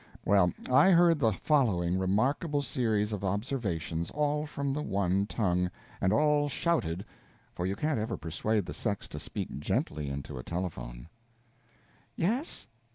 Well, I heard the following remarkable series of observations, all from the one tongue, and all shouted for you can't ever persuade the sex to speak gently into a telephone: Yes?